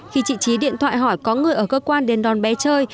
khi chị trí điện thoại hỏi có người ở cơ quan đến đón bé chơi